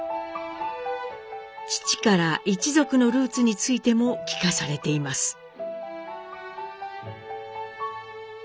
父から一族のルーツについても聞かされています。